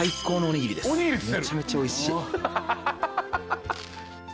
めちゃめちゃおいしい。